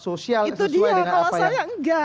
sosial sesuai dengan apa ya itu dia kalau saya enggak